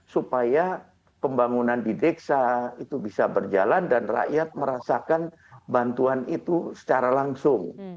supaya pembangunan di desa itu bisa berjalan dan rakyat merasakan bantuan itu secara langsung